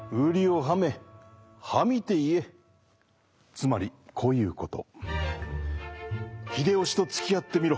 つまりこういうこと。